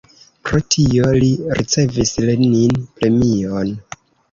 Pro tio li ricevis Lenin-premion.